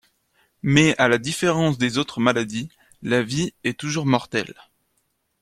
Mais, à la différence des autres maladies, la vie est toujours mortelle.